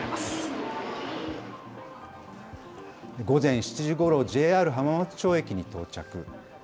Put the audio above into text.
午前７時ごろ、ＪＲ浜松町駅に到着。